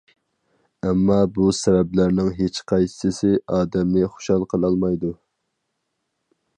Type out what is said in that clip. ئەمما بۇ سەۋەبلەرنىڭ ھېچقايسىسى ئادەمنى خۇشال قىلالمايدۇ.